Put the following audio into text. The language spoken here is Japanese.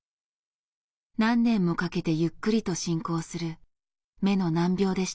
何年もかけてゆっくりと進行する目の難病でした。